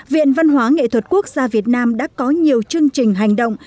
viện văn hóa nghệ thuật quốc gia việt nam đã có nhiều chương trình hành động